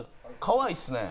かわいいっすね。